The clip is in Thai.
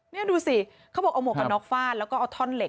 นี่ดูสิเขาบอกเอาหมวกกันน็อกฟาดแล้วก็เอาท่อนเหล็